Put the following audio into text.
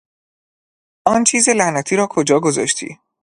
آن چیز لعنتی را کجا گذاشتی؟